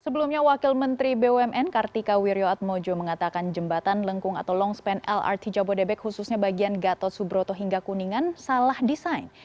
sebelumnya wakil menteri bumn kartika wirjoatmojo mengatakan jembatan lengkung atau longspan lrt jabodebek khususnya bagian gatot subroto hingga kuningan salah desain